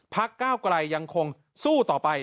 พักเก้าไกรยังคงสู้ต่อไป